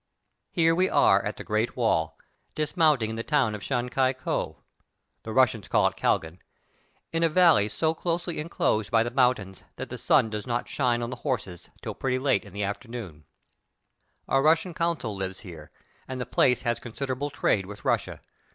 Here we are at the great wall, dismounting in the town of Chan Kia Kow — the Russians call it Kalgan— in a valley so closely inclosed by the mountains that the sun does not shine on the houses until pretty late in the forenoon. A Rus sian consul lives here, and the place has consider able trade with Russia.